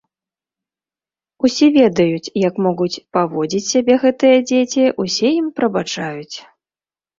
Усе ведаюць, як могуць паводзіць сябе гэтыя дзеці, усе ім прабачаюць.